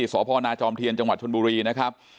สพนจเทียนจชนบุรีนะครับ